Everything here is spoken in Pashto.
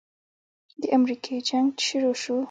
د امريکې جنگ چې شروع سو.